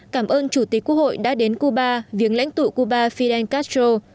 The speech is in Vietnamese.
cảm ơn chủ tịch quốc hội đã đến cuba viếng lãnh tụ cuba fidel castro